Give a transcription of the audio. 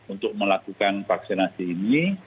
untuk melakukan vaksinasi ini